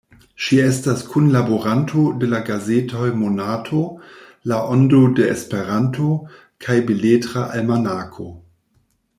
Ŝi estas kunlaboranto de la gazetoj Monato, La Ondo de Esperanto kaj Beletra Almanako.